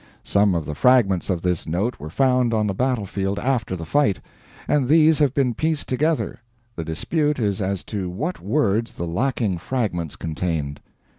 Some of the fragments of this note were found on the battlefield after the fight, and these have been pieced together; the dispute is as to what words the lacking fragments contained.